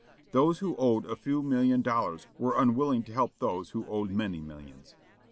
Those who owed a few million dollars were unwilling to help those who owed many millions.